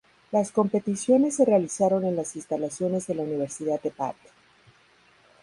Las competiciones se realizaron en las instalaciones de la Universidad de Bath.